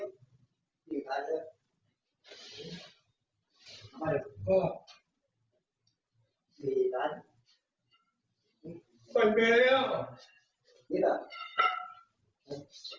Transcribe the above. นี่มีใจเพื่อนเบรี่ยวนี่แหละ